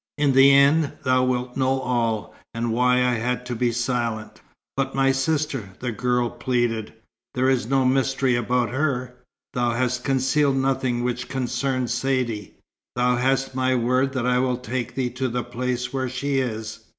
"In the end, thou wilt know all, and why I had to be silent." "But my sister?" the girl pleaded. "There is no mystery about her? Thou hast concealed nothing which concerns Saidee?" "Thou hast my word that I will take thee to the place where she is.